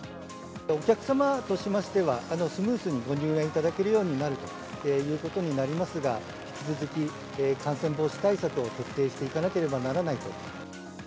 お客様としましては、スムーズにご入園いただけるようになるということになりますが、引き続き感染防止対策を徹底していかなければならないと。